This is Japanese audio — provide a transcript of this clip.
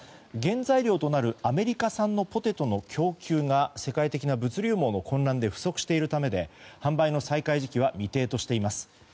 原材料となるアメリカ産のポテトの供給が世界的な物流網の混乱で不足しているためで販売の再開時期は未定としています。